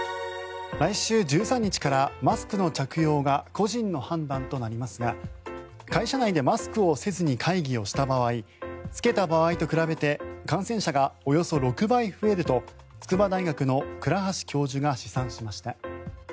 来週１３日からマスクの着用が個人の判断となりますが会社内でマスクをせずに会議をした場合着けた場合と比べて感染者がおよそ６倍増えると筑波大学の倉橋教授が試算しました。